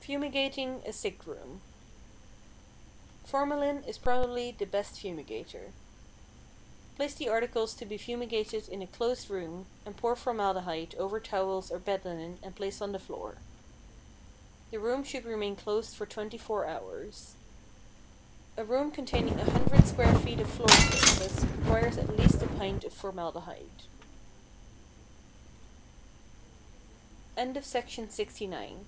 =Fumigating a Sick Room.= Formalin is probably the best fumigator. Place the articles to be fumigated in a closed room, and pour formaldehyde over towels or bed linen and place on the floor. The room should remain closed for 24 hours. A room containing 100 square feet of floor surface requires at least a pint of formaldehyde. Getting Things into the Eye, Nose, Ear, etc.